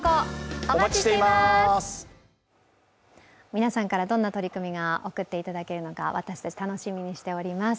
皆さんからどんな取り組みが送っていただけるのか私たち、楽しみにしております。